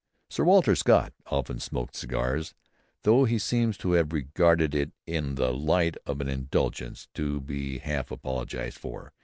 Sir Walter Scott often smoked cigars, though he seems to have regarded it in the light of an indulgence to be half apologized for.